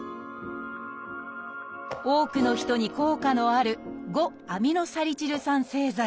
多くの人に効果のある５−アミノサリチル酸製剤。